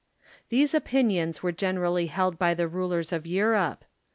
These opinions were generally held by the rulers of Eu rope.